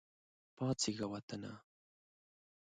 پاڅیږه وطنه !